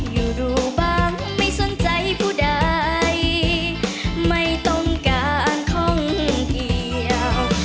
อยู่ดูบ้างไม่สนใจผู้ใดไม่ต้องการท่องเที่ยว